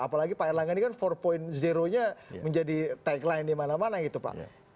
apalagi pak erlangga ini kan empat nya menjadi tagline di mana mana gitu pak